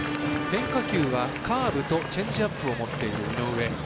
変化球は、カーブとチェンジアップを持っている井上。